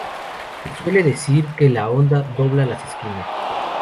Se suele decir que la onda "dobla" las esquinas.